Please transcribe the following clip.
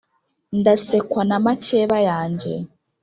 ndasekwa na makeba yange